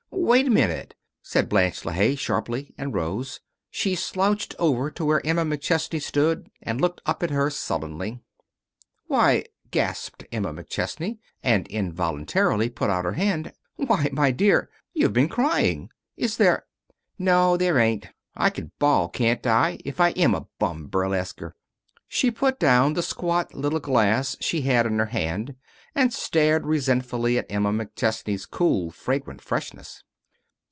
"Wait a minute," said Blanche LeHaye, sharply, and rose. She slouched over to where Emma McChesney stood and looked up at her sullenly. "Why!" gasped Emma McChesney, and involuntarily put out her hand, "why my dear you've been crying! Is there " "No, there ain't. I can bawl, can't I, if I am a bum burlesquer?" She put down the squat little glass she had in her hand and stared resentfully at Emma McChesney's cool, fragrant freshness.